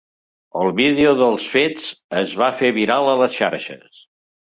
El vídeo dels fets es va fer viral a les xarxes.